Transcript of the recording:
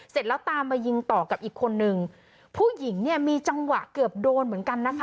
เสร็จแล้วตามมายิงต่อกับอีกคนนึงผู้หญิงเนี่ยมีจังหวะเกือบโดนเหมือนกันนะคะ